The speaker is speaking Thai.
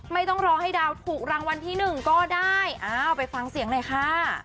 ไม่ต้องรอให้ดาวถูกรางวัลที่หนึ่งก็ได้อ้าวไปฟังเสียงหน่อยค่ะ